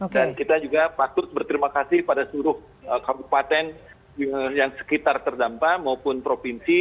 dan kita juga patut berterima kasih pada seluruh kabupaten yang sekitar terdampak maupun provinsi